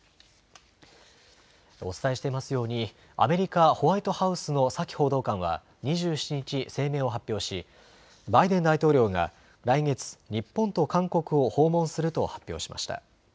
お伝えしていますようにアメリカ・ホワイトハウスのサキ報道官は２７日、声明を発表しバイデン大統領が来月、日本と韓国を訪問すると発表しました。